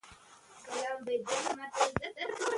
هغه ژمنه کړې وه چې نن به خپلو ملګرو ته ورسېږي.